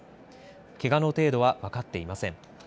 けがの程度は分かっていません。